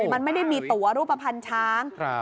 มันไม่ได้มีตัวรูปภัณฑ์ช้าง